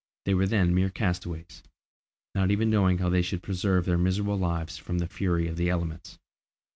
They were then mere castaways, not even knowing how they should preserve their miserable lives from the fury of the elements!